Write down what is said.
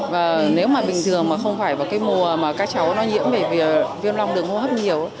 và nếu mà bình thường mà không phải vào cái mùa mà các cháu nó nhiễm về viêm long đường hô hấp nhiều